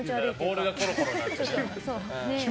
ボールがコロコロなってね。